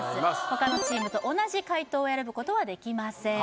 他のチームと同じ解答を選ぶことはできません